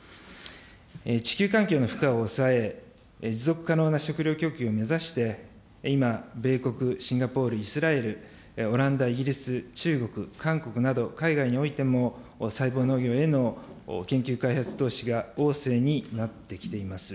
地球環境の負荷を抑え、持続可能な食料供給を目指して、今、米国、シンガポール、イスラエル、オランダ、イギリス、中国、韓国など、海外においても、細胞農業への研究開発投資が旺盛になってきています。